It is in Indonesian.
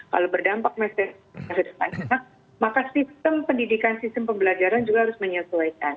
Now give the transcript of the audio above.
kalau berdampak masih depan maka sistem pendidikan sistem pembelajaran juga harus menyesuaikan